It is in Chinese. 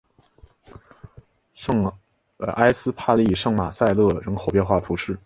埃斯帕利圣马塞勒人口变化图示